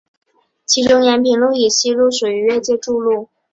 其中延平路以西路段属于越界筑路。